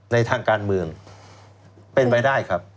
ในทางการเมืองเป็นไปได้ครับ